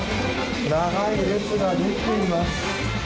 長い列ができています。